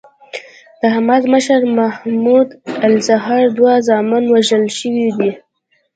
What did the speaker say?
د حماس مشر محمود الزهار دوه زامن وژل شوي دي.